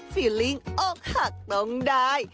ฟิลิงอกหักตรงใด